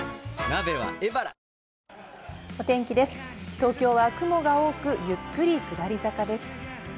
東京は雲が多く、ゆっくり下り坂です。